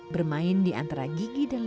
bermain di antara gigi dan lembu